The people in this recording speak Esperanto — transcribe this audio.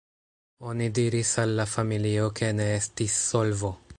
Oni diris al la familio ke ne estis solvo”.